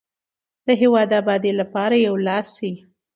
د هیواد د ابادۍ لپاره یو لاس شئ.